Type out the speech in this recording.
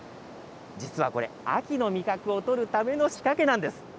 実はこれ、秋の味覚を取るための仕掛けなんです。